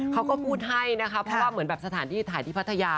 เขาก็พูดให้นะคะเพราะว่าเหมือนแบบสถานที่ถ่ายที่พัทยา